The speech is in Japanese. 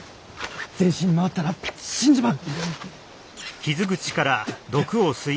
全身に回ったら死んじまう！